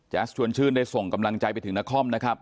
ชวนชื่นได้ส่งกำลังใจไปถึงนครนะครับ